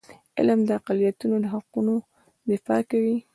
علم د اقلیتونو د حقونو دفاع کوي.